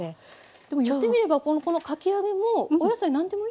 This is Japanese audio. でも言ってみればこのかき揚げもお野菜何でもいいんですよね？